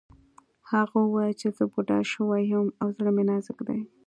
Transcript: هغه وویل چې زه بوډا شوی یم او زړه مې نازک دی